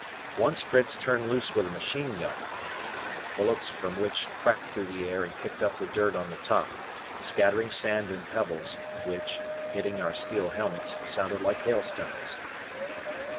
Once Fritz turned loose with a machine gun, the bullets from which "cracked" through the air and kicked up the dirt on the top, scattering sand and pebbles, which, hitting our steel helmets, sounded like hailstones.